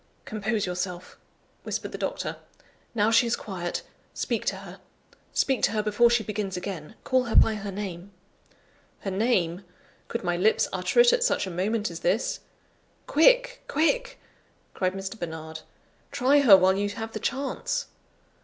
"Compose yourself," whispered the doctor. "Now she is quiet, speak to her; speak to her before she begins again; call her by her name." Her name! Could my lips utter it at such a moment as this? "Quick! quick!" cried Mr. Bernard. "Try her while you have the chance."